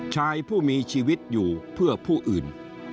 ชายผู้มีชีวิตอยู่เพื่อผู้อื่น